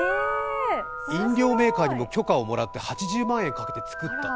飲料メーカーにも許可をもらって８０万円かけて作った。